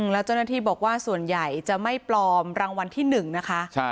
แล้วเจ้าหน้าที่บอกว่าส่วนใหญ่จะไม่ปลอมรางวัลที่๑นะคะ